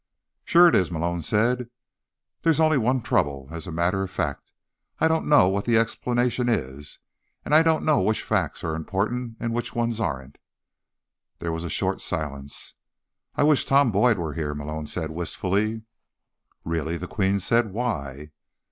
"Sure it is," Malone said. "There's only one trouble, as a matter of fact. I don't know what the explanation is, and I don't know which facts are important and which ones aren't." There was a short silence. "I wish Tom Boyd were here," Malone said wistfully. "Really?" the Queen said. "Why?"